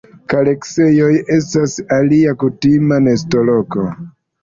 Kareksejoj estas alia kutima nestoloko.